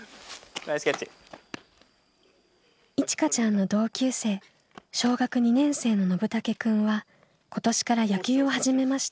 いちかちゃんの同級生小学２年生ののぶたけくんは今年から野球を始めました。